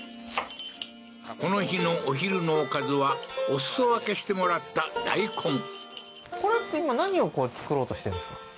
この日のお昼のおかずはおすそ分けしてもらった大根作ろうとしてるんですか？